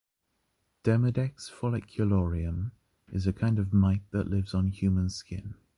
Demodex folliculorum is a kind of mite that lives on human skin.